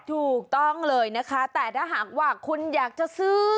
ถูกต้องเลยนะคะแต่ถ้าหากว่าคุณอยากจะซื้อ